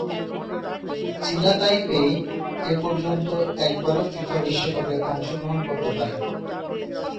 চীনা তাইপেই এপর্যন্ত একবারও ফিফা বিশ্বকাপে অংশগ্রহণ করতে পারেনি।